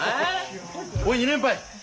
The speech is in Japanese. おい２連敗！